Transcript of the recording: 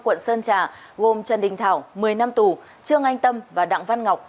quận sơn trà gồm trần đình thảo một mươi năm tù trương anh tâm và đặng văn ngọc